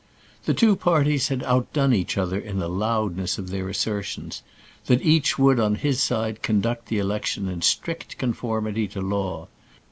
The two parties had outdone each other in the loudness of their assertions, that each would on his side conduct the election in strict conformity to law.